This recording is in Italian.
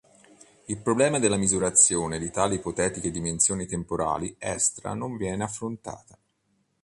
Il problema della misurazione di tali ipotetiche dimensioni temporali extra non viene affrontata.